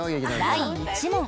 第１問。